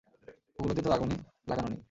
ওগুলোতে তো আগুনই লাগানো নেই।